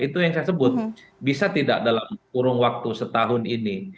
itu yang saya sebut bisa tidak dalam kurun waktu setahun ini